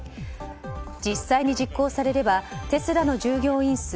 実際に実行されればテスラの従業員数